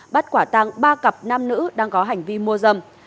bắt quả tăng ba cặp nam nữ đang có hành vi mua dâm